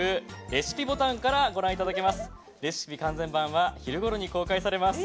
レシピ完全版は昼ごろに公開されます。